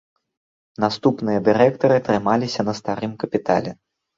Наступныя дырэктары трымаліся на старым капітале.